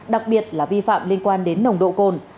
đặc biệt là vi phạm liên quan đến nồng độ cồn